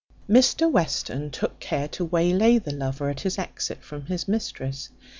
Mr Western took care to way lay the lover at his exit from his mistress.